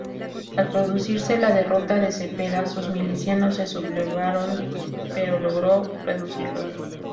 Al producirse la derrota de Cepeda, sus milicianos se sublevaron, pero logró reducirlos.